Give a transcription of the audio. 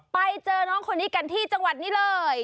ไปเจอน้องคนนี้กันที่จังหวัดนี้เลย